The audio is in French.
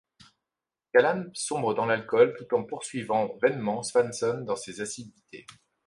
Callan sombre dans l'alcool tout en poursuivant vainement Swanson de ses assiduités.